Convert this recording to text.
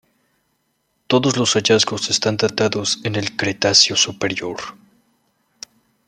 Todos los hallazgos están datados en el Cretáceo Superior.